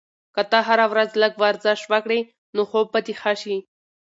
که ته هره ورځ لږ ورزش وکړې، نو خوب به دې ښه شي.